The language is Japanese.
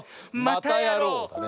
またやろう！